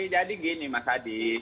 jadi gini mas adi